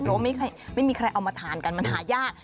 เพราะว่าไม่มีใครเอามาทานกันมันหายาก